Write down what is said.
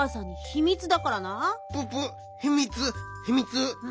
ひみつ。